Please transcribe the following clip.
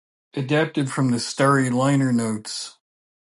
Adapted from the "Starry" liner notes.